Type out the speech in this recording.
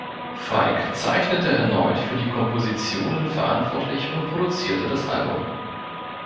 Falk zeichnete erneut für die Kompositionen verantwortlich und produzierte das Album.